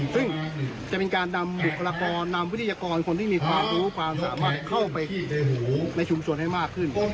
ซึ่งจะเป็นการนำบุคลากรนำวิทยากรคนที่มีความรู้ความสามารถเข้าไปในหูในชุมชนให้มากขึ้น